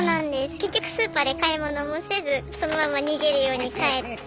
結局スーパーで買い物もせずそのまま逃げるように帰って。